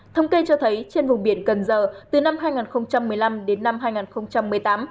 thông kê cho thấy trên vùng biển cần giờ từ năm hai nghìn một mươi năm đến năm hai nghìn một mươi tám